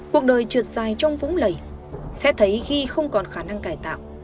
cuộc đời trượt dài trong vũng lầy sẽ thấy ghi không còn khả năng cải tạo